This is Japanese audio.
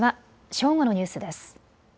正午のニュースです。